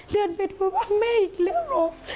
เดินไปดูว่าแม่อีกแล้วลูก